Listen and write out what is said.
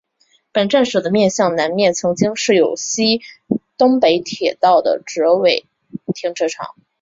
本站舍的面向的南面曾经设有西日本铁道的折尾停留场。